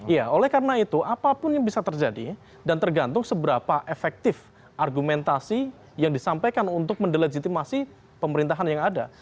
iya oleh karena itu apapun yang bisa terjadi dan tergantung seberapa efektif argumentasi yang disampaikan untuk mendelegitimasi pemerintahan yang ada